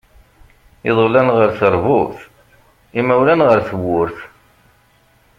Iḍulan ar terbut, imawlan ar tewwurt.